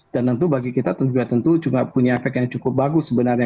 dan tentu bagi kita juga tentu juga punya kek yang cukup bagus sebenarnya